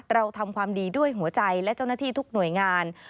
เราทำความดีด้วยหัวใจและเจ้าหน้าที่ทุกหน่วยงาน